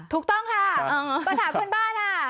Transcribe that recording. ถูกต้องค่ะมาถามเพื่อนบ้านอ่ะ